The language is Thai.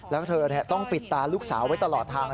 แล้วก็ต้องปิดตาฝักสาวไว้ตลอดทางนะ